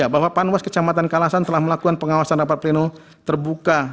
bahwa panwas kecamatan kalasan telah melakukan pengawasan rapat pleno terbuka